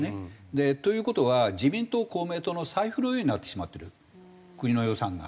という事は自民党公明党の財布のようになってしまってる国の予算が。